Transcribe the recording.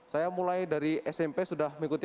saya mulai dari smp sudah mengikuti